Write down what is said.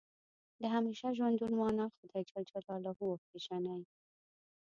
د همیشه ژوندون معنا خدای جل جلاله وپېژني.